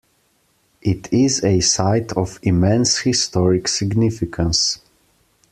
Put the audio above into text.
It is a site of immense historic significance.